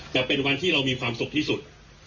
แต่เป็นวันที่เรามีความสุขที่สุด